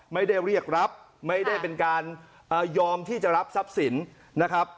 ไม่ได้เรียกรับไม่ได้เป็นการยอมที่จะรับทรัพย์สินนะครับ